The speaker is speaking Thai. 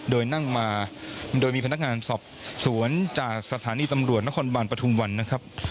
โดยนั่งมาโดยมีพนักงานสอบสวนจากสถานีตำรวจนครบาลปฐุมวันนะครับ